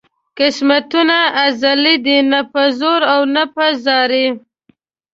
قسمتونه ازلي دي نه په زور او نه په زارۍ.